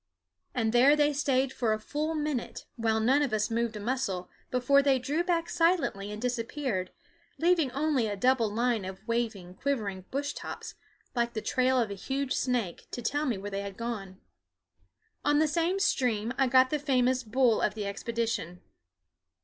And there they stayed for a full minute, while none of us moved a muscle, before they drew back silently and disappeared, leaving only a double line of waving, quivering bush tops, like the trail of a huge snake, to tell me where they had gone. On the same stream I got the famous bull of the expedition.